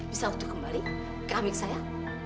bisa waktu kembali keramik saya